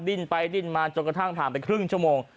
ดิ้นไปดิ้นมาจนกระทั่งผ่านไปครึ่งชั่วโมง